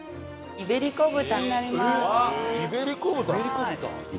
イベリコ豚。